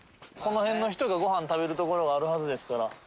この辺の人がごはん食べる所があるはずですから。